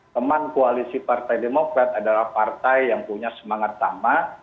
teman koalisi partai demokrat adalah partai yang punya semangat sama